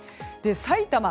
さいたま